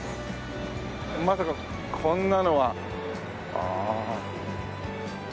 まさかこんなのはああ。